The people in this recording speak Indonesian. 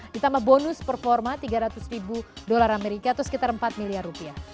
ditambah bonus performa tiga ratus ribu dolar amerika atau sekitar empat miliar rupiah